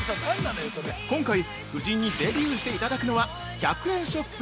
◆今回、夫人にデビューしていただくのは、１００円ショップ